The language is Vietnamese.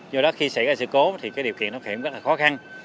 nhưng khi xảy ra sự cố thì điều kiện thoát hiểm rất là khó khăn